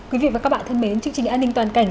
quý vị và các bạn thân mến chương trình an ninh toàn cảnh